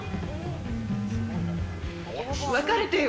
別れてよ！